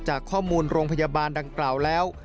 จากข้อมูลโรงพยาบาลดังกล่าวแล้ว